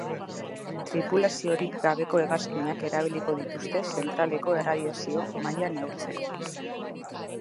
Tripulaziorik gabeko hegazkinak erabiliko dituzte zentraleko erradiazio maila neurtzeko.